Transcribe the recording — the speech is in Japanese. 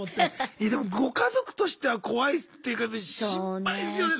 いやでもご家族としては怖いっていうか心配ですよね